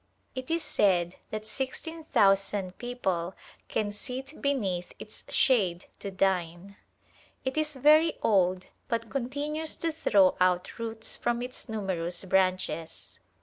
It is said that sixteen thousand people can sit beneath its shade to dine. It is very old but continues to throw out roots from its numerous branches.